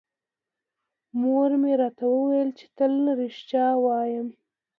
مور مې راته وویل چې تل رښتیا ووایم.